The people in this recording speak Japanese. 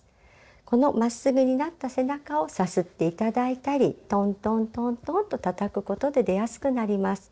このまっすぐになった背中をさすって頂いたりトントントントンとたたくことで出やすくなります。